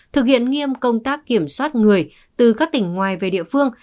thực hiện nghiêm công tác kiểm soát người từ các tỉnh ngoài về địa phương